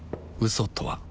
嘘とは